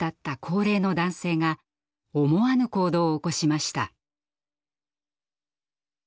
高齢の男性が思わぬ行動を起こしました。